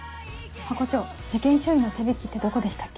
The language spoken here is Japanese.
ハコ長事件処理の手引ってどこでしたっけ？